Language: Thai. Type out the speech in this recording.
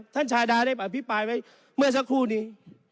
ชาดาได้อภิปรายไว้เมื่อสักครู่นี้